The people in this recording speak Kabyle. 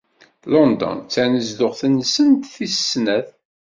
London d tanezduɣt-nsent tis snat.